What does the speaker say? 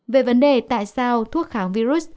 về vấn đề tại sao thuốc kháng virus